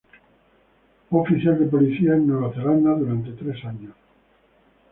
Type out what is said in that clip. Fue oficial de policía en Nueva Zelanda durante tres años.